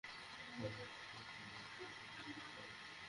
অমিত মিশ্রর ম্যাচ জেতানো পারফরম্যান্সের কারণে তিনি কিছুটা আড়ালে রয়ে যাচ্ছেন।